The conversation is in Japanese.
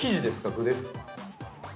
具ですか？